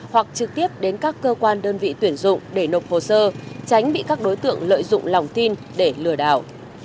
hoặc trực tiếp đến các cơ quan đơn vị tuyển dụng để nộp hồ sơ tránh bị các đối tượng lợi dụng lòng tin để lừa đảo